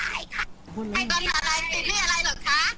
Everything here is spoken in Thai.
ไม่อายค่ะไอ้บ้านอะไรติดนี่อะไรเหรอคะ